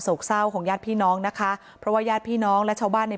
เศร้าของญาติพี่น้องนะคะเพราะว่าญาติพี่น้องและชาวบ้านใน